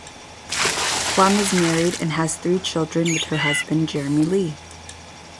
Plumb is married and has three children with her husband, Jeremy Lee.